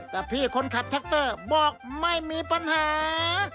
แต่พี่คนขับแท็กเตอร์บอกไม่มีปัญหา